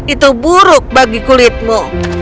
itu buruk bagi kulitmu